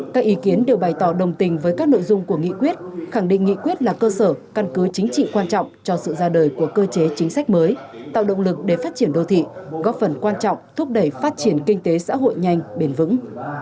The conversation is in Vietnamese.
các ý kiến đều bày tỏ đồng tình với các nội dung của nghị quyết khẳng định nghị quyết là cơ sở căn cứ chính trị quan trọng cho sự ra đời của cơ chế chính sách mới tạo động lực để phát triển đô thị góp phần quan trọng thúc đẩy phát triển kinh tế xã hội nhanh bền vững